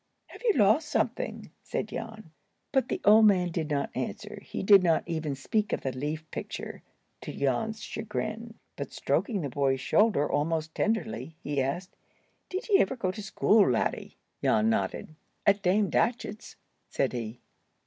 "Have you lost something?" said Jan. But the old man did not answer. He did not even speak of the leaf picture, to Jan's chagrin. But, stroking the boy's shoulder almost tenderly, he asked, "Did ye ever go to school, laddie?" Jan nodded. "At Dame Datchett's," said he.